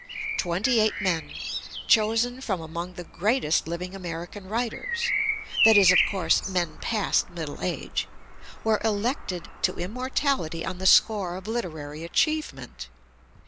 Twenty eight men, '"chosen from among the greatest living American writers'' (that is, of course, men past middle age), were elected to immortality on the score vii Digitized by Google PREFACE of literary achievement.